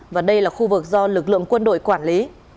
và đây là khu vực do lực lượng quân đội quản lý